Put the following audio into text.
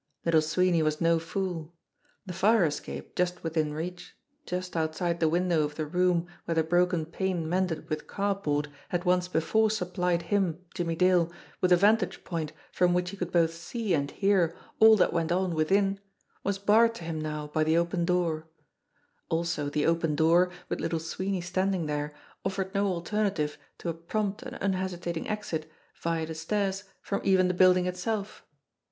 Little Sweeney was no fool ! The fire escape, just within reach, just outside the window of the room where the broken pane mended with cardboard had once before supplied him, Jimmie Dale, with a vantage point from which he could both see and hear all that went on within, was barred to him now 134 JIMMIE DALE AND THE PHANTOM CLUE by the open door; also the open door, with Little Sweeney standing there, offered no alternative to a prompt and un hesitating exit via the stairs from even the building itself